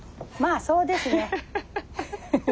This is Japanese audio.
まあそうですね。